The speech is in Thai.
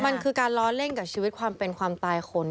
มันคือการล้อเล่นกับชีวิตความเป็นความตายคน